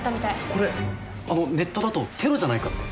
これネットだとテロじゃないかって。